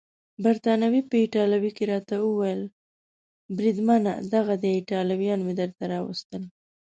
بریتانوي په ایټالوي کې راته وویل: بریدمنه دغه دي ایټالویان مې درته راوستل.